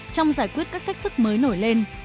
trong giải quyết các thách thức mới nổi lên